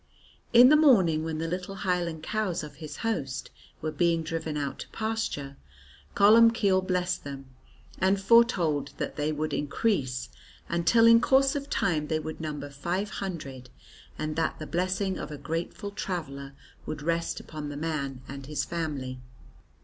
In the morning when the little Highland cows of his host were being driven out to pasture, Columbcille blessed them, and foretold that they would increase until in course of time they would number five hundred, and that the blessing of a grateful traveller would rest upon the man and his family.